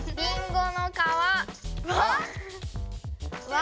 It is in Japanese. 「わ」